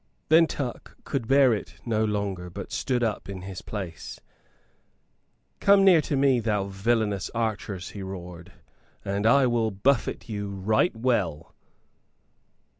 Then Tuck could bear it no longer, but stood up in his place. "Come near to me, thou villainous archers," he roared, "and I will buffet you right well."